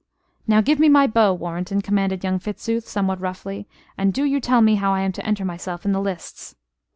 "Now give me my bow, Warrenton," commanded young Fitzooth, somewhat roughly; "and do you tell me how I am to enter myself in the lists."